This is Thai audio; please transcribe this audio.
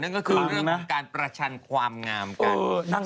นั่นก็คือการประชันความงามกัน